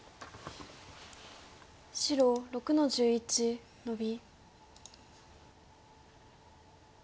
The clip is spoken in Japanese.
白６の十一ノビ。